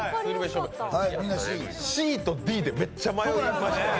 ＣとＤでめっちゃ迷いましたよね。